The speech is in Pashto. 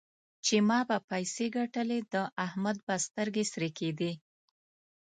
چې ما به پيسې ګټلې؛ د احمد به سترګې سرې کېدې.